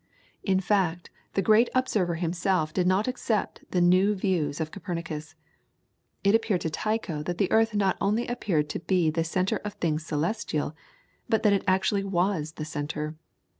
In fact, the great observer himself did not accept the new views of Copernicus. It appeared to Tycho that the earth not only appeared to be the centre of things celestial, but that it actually was the centre.